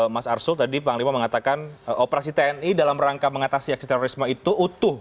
mas arsul tadi panglima mengatakan operasi tni dalam rangka mengatasi aksi terorisme itu utuh